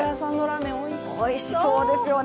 おいしそうですよね。